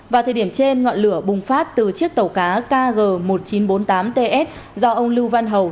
vào thời điểm trên ngọn lửa bùng phát từ chiếc tàu cá kg một nghìn chín trăm bốn mươi tám ts do ông lưu văn hầu